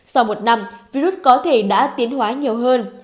sau một năm virus có thể đã tiến hóa nhiều hơn